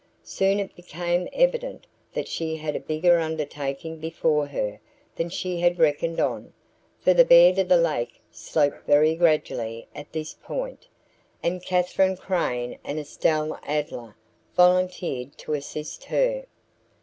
Soon it became evident that she had a bigger undertaking before her than she had reckoned on, for the bed of the lake sloped very gradually at this point, and Katherine Crane and Estelle Adler volunteered to assist her.